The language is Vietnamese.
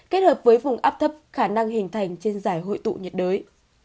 kết hợp với vùng áp thấp khả năng hình thành trên giải hội tụ nhiệt đới